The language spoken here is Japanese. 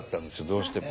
どうしても。